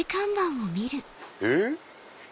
えっ？